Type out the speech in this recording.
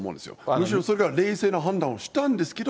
むしろそれぐらい冷静な判断をしたんですけど。